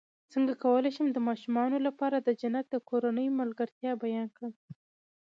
څنګه کولی شم د ماشومانو لپاره د جنت د کورنۍ ملګرتیا بیان کړم